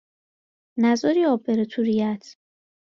نذاری آب بره تو ریه ات